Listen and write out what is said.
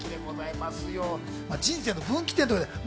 人生の分岐点。